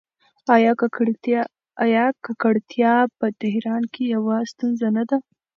آیا ککړتیا په تهران کې یوه ستونزه نه ده؟